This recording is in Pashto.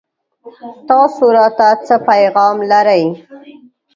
تاسو راته څه پيغام لرئ